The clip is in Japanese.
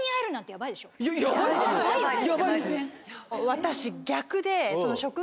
私逆で。